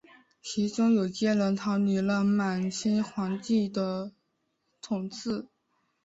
其中有些人逃离了满清皇帝的统治。